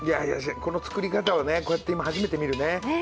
この作り方はね、今こうやって初めて見るね。